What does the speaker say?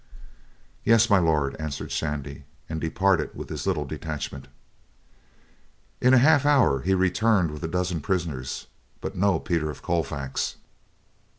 "Yes, My Lord," answered Shandy, and departed with his little detachment. In a half hour he returned with a dozen prisoners, but no Peter of Colfax.